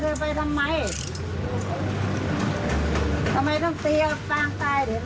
แล้วจะพาเธอไปทำไมทำไมต้องเตียบต่างตายเห็นไหม